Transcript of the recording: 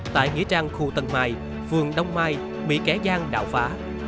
tại nghĩa trang khu tân mai vườn đông mai bị kẻ giang đạo phá